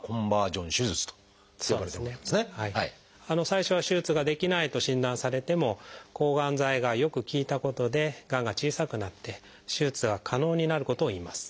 最初は手術ができないと診断されても抗がん剤がよく効いたことでがんが小さくなって手術が可能になることをいいます。